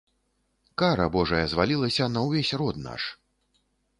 Кара божая звалілася на ўвесь род наш.